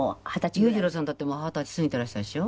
裕次郎さんだってもう二十歳過ぎてらしたでしょ。